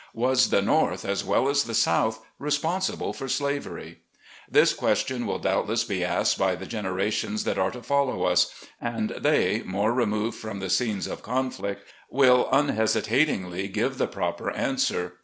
Was the North, as well as the South, responsible for slavery ? This question will doubtless be asked by the gen erations that are to follow us, and they, more removed from the scenes of conflict, will unhesitat ingly give the proper answer.